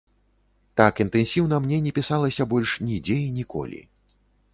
Так інтэнсіўна мне не пісалася больш нідзе і ніколі.